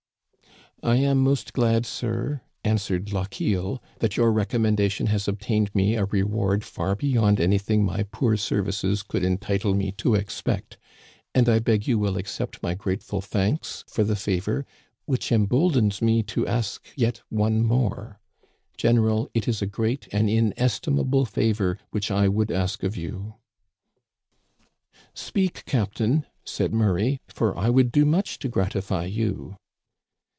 * I am most glad, sir,' answered Lochiel, * that your recommendation has obtained me a reward far beyond anything my poor services could entitle me to expect ; and I beg you will accept my grateful thanks for the favor, which emboldens me to ask yet one more. Gen eral, it is a great, an inestimable favor which I would ask of you.' "* Speak, captain,' said Murray, *for I would do much to gratify you.'